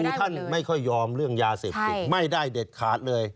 คือท่านไม่ค่อยยอมเรื่องยาเสพติดไม่ได้เด็ดขาดเลย